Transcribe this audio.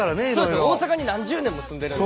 大阪に何十年も住んでるんで。